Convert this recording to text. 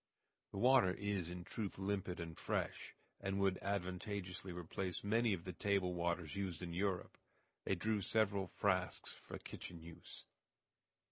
The water is in truth limpid and fresh, and would advantageously replace many of the table waters used in Europe. They drew several frasques for kitchen use.